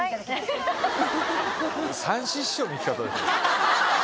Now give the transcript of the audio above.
三枝師匠の行き方ですよ。